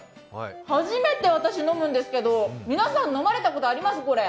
初めて私、飲むんですけど、皆さん、飲まれたことあります？